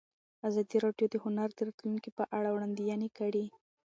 ازادي راډیو د هنر د راتلونکې په اړه وړاندوینې کړې.